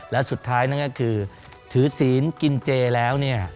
และสุดท้ายนั่นก็คือถือศีลกินเจแล้วเนี่ย